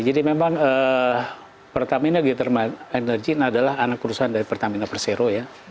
memang pertamina geothermal energy adalah anak perusahaan dari pertamina persero ya